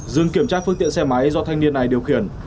dừng kiểm tra phương tiện xe máy do thanh niên này điều khiển